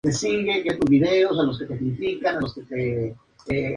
Otro problema de Úmar fueron las revueltas de las poblaciones no árabes.